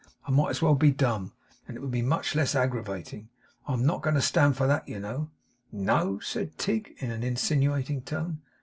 I might as well be dumb, and it would be much less aggravating. I'm not a going to stand that, you know.' 'No!' said Tigg in an insinuating tone.